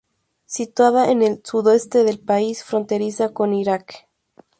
Situada en el sudoeste del país, fronteriza con Irak.